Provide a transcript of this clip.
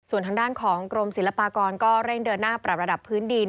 ส่วนทางด้านของกรมศิลปากรก็เร่งเดินหน้าปรับระดับพื้นดิน